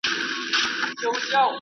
هیوادونو به سوداګریزي لاري خلاصولې.